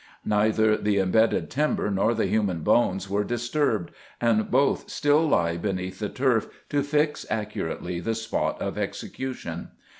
Neither the imbedded timber nor the human bones were disturbed, and both still lie beneath the turf to fix accurately the spot of execution.